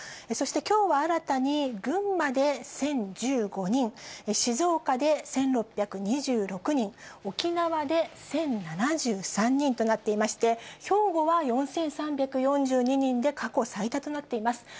そしてきょうは新たに、群馬で１０１５人、静岡で１６２６人、沖縄で１０７３人となっていまして、兵庫は４３４２人で過去最多となっています。